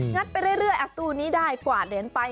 ัดไปเรื่อยตู้นี้ได้กวาดเหรียญไป